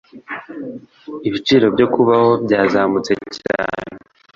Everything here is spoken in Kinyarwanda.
Ibiciro byo kubaho byazamutse cyane.